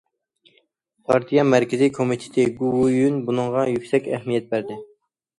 پارتىيە مەركىزىي كومىتېتى، گوۋۇيۈەن بۇنىڭغا يۈكسەك ئەھمىيەت بەردى.